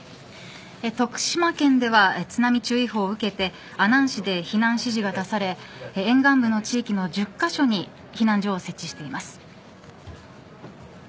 徳島県では津波注意報を受けて阿南市で避難指示が出され沿岸部の地域の１０カ所に避難所を設置しています。